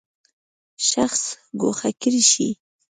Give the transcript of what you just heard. شخص ګوښه کړی شي.